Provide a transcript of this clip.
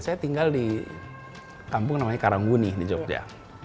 saya tinggal di kampung namanya karangwuni di jogja